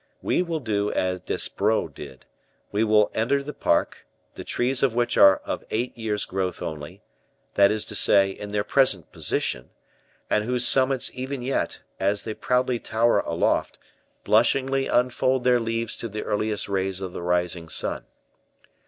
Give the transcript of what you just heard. We will do as Despreaux did, we will enter the park, the trees of which are of eight years' growth only that is to say, in their present position and whose summits even yet, as they proudly tower aloft, blushingly unfold their leaves to the earliest rays of the rising sun.